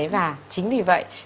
và chính vì vậy